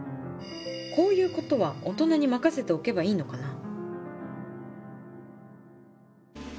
こういうことは大人に任せておけばいいのかな？